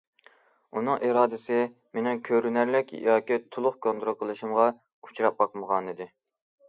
ئۇنىڭ ئىرادىسى مېنىڭ كۆرۈنەرلىك ياكى تولۇق كونترول قىلىشىمغا ئۇچراپ باقمىغانىدى.